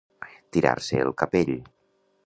Tirar-se el capell.